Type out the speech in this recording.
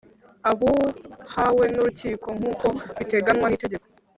Abuhawe N Urukiko Nk Uko Bitenganywa N Itegeko